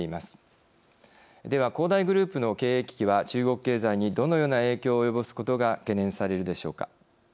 では恒大グループの経営危機は中国経済にどのような影響を及ぼすことが懸念されるでしょうか。